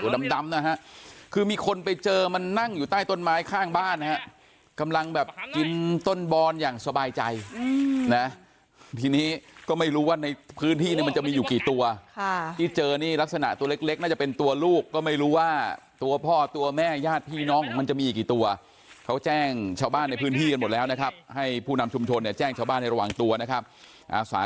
ดำนะฮะคือมีคนไปเจอมันนั่งอยู่ใต้ต้นไม้ข้างบ้านนะฮะกำลังแบบกินต้นบอนอย่างสบายใจนะทีนี้ก็ไม่รู้ว่าในพื้นที่เนี่ยมันจะมีอยู่กี่ตัวที่เจอนี่ลักษณะตัวเล็กน่าจะเป็นตัวลูกก็ไม่รู้ว่าตัวพ่อตัวแม่ญาติพี่น้องของมันจะมีอีกกี่ตัวเขาแจ้งชาวบ้านในพื้นที่กันหมดแล้วนะครับให้ผู้นำชุมชนเนี่ยแจ้งชาวบ้านให้ระวังตัวนะครับอาสา